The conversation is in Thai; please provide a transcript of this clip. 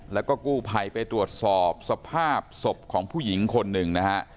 แล้วก็กู้ภัยไปตรวจสอบสภาพศพของผู้หญิงคนหนึ่งนะฮะ